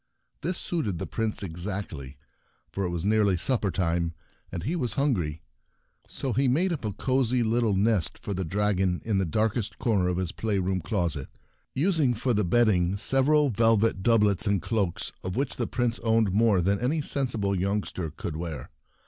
This suited the Prince exactly, for it was nearly supper time, and he was hungry. So he made up a cosy little nest for the dragon in the darkest corner of his playroom closet, using for the bedding several velvet doublets and cloaks— of whichthe Prince owned more than any sensible youngster could wear.